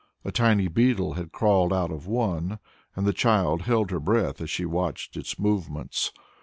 A tiny beetle had crawled out of one, and the child held her breath as she watched its movements.